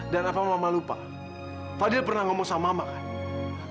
dan apa mama lupa fadl pernah ngomong sama mama kan